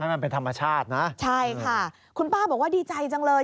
มันเป็นธรรมชาตินะใช่ค่ะคุณป้าบอกว่าดีใจจังเลย